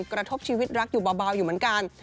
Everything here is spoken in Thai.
กระทบชีวิตรักอยู่เบาอยู่เหมือนกัน